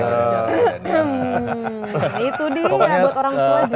itu dia buat orang tua juga bisa